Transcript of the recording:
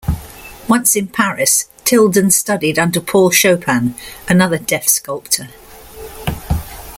Once in Paris, Tilden studied under Paul Chopin, another deaf sculptor.